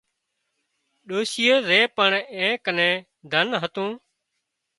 ڏوشيئي زي پڻ اين ڪنين ڌنَ هتون